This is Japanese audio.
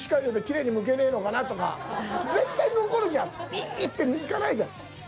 ピー！っていかないじゃん。